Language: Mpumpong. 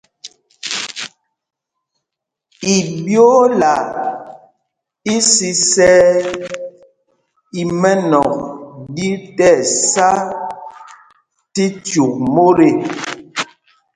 Iɓyoola isisɛɛ í mɛ́nɔ̂k ɗí tí ɛsá tí cyûk mot ê.